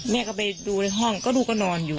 แม่ก็ไปดูในห้องก็ลูกก็นอนอยู่